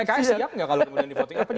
mereka sih siap nggak kalau kemudian di voting